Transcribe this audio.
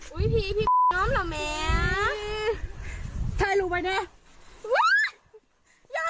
อุ๊ยพี่พี่น้ำเหรอแม่ใส่หลูใบได้